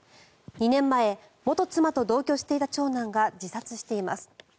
２年前、元妻と同居していた長男が自殺しています。